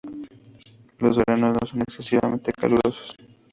Los veranos no son excesivamente calurosos.